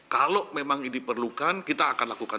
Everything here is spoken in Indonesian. kalau memang diperlukan kita akan lakukan